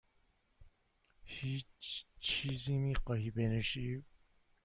هیچ چیزی میخواهی بنوشی؟